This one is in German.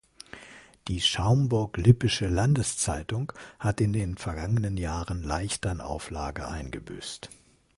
Die "Schaumburg-Lippische Landes-Zeitung" hat in den vergangenen Jahren leicht an Auflage eingebüßt.